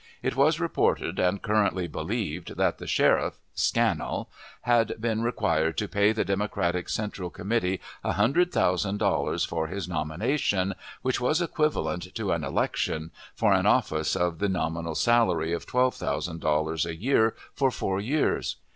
It was reported and currently believed that the sheriff (Scannell) had been required to pay the Democratic Central Committee a hundred thousand dollars for his nomination, which was equivalent to an election, for an office of the nominal salary of twelve thousand dollars a year for four years.